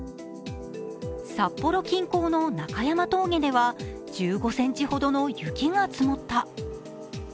札幌近郊の中山峠では１５ｃｍほどの雪が積もった。